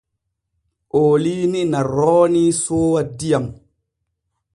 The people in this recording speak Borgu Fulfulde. Ooliini na roonii soowa diyam.